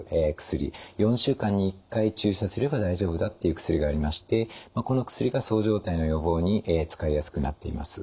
４週間に１回注射すれば大丈夫だという薬がありましてこの薬がそう状態の予防に使いやすくなっています。